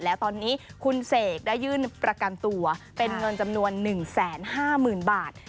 แล้วตอนนี้คุณเสกได้ยื่นประกันตัวเป็นเงินจำนวน๑๕๐๐๐บาท